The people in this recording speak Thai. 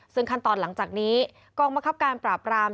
ซึ่งขั้นตอนหลังจากนี้กองบังคับการปราบราม